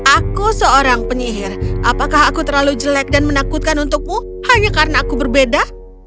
aku seorang penyihir apakah aku terlalu jelek dan menakutkan untukmu hanya karena aku berbeda